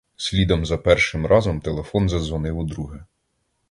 Слідом за першим разом телефон задзвонив удруге.